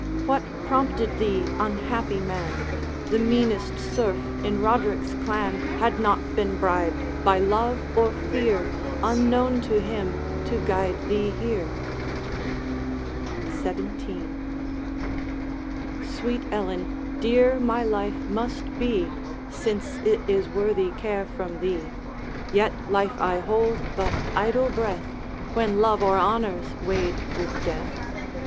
What prompted thee, unhappy man? The meanest serf in Roderick's clan Had not been bribed, by love or fear, Unknown to him to guide thee here.' XVII. 'Sweet Ellen, dear my life must be, Since it is worthy care from thee; Yet life I hold but idle breath When love or honor's weighed with death.